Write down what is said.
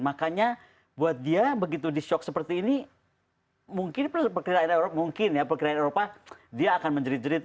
makanya buat dia begitu disyok seperti ini mungkin perkembangan eropa dia akan menjerit jerit